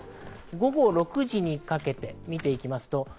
午後６時にかけて見ていきます。